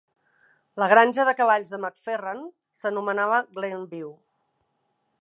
La granja de cavalls de McFerran s'anomenava Glen View.